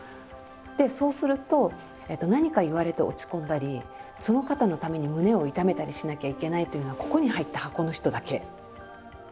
でそうすると何か言われて落ち込んだりその方のために胸を痛めたりしなきゃいけないというのはここに入った箱の人だけ。